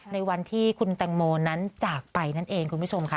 ในวันที่คุณแตงโมนั้นจากไปนั่นเองคุณผู้ชมค่ะ